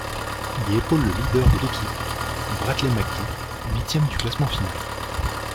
Il y épaule le leader de l'équipe, Bradley McGee, huitième du classement final.